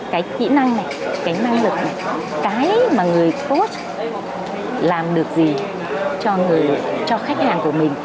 cái kỹ năng này cái năng lực này cái mà người post làm được gì cho khách hàng của mình